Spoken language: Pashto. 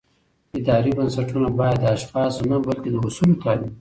اداري بنسټونه باید د اشخاصو نه بلکې د اصولو تابع وي